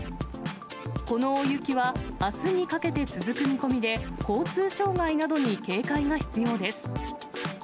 この大雪は、あすにかけて続く見込みで、交通障害などに警戒が必要です。